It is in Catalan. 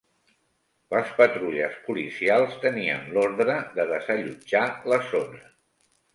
Les patrulles policials tenien l'ordre de desallotjar la zona.